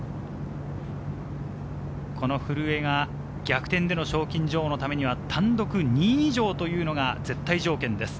古江が逆転で賞金女王のためには単独２位以上というのが絶対条件です。